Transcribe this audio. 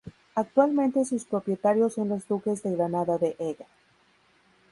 Actualmente sus propietarios son los duques de Granada de Ega.